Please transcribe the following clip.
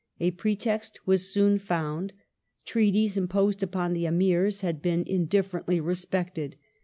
A pretext was soon found. Treaties imposed upon the Amii s had been indifferently respected.